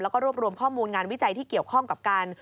แล้วก็รวบรวมข้อมูลงานวิจัยที่เกี่ยวข้องกับการ